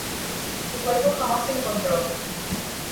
Su cuerpo jamás se encontró.